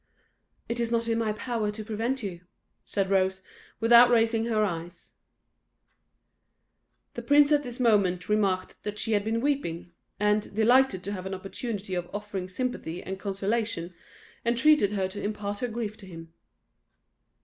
"It is not in my power to prevent you," said Rose, without raising her eyes. The prince at this moment remarked that she had been weeping, and, delighted to have an opportunity of offering sympathy and consolation, entreated her to impart her grief to him.